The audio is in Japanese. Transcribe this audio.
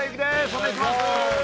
お願いします